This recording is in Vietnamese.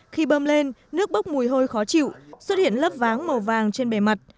khi bơm lên nước bốc mùi hôi khó chịu xuất hiện lớp váng màu vàng trên bề mặt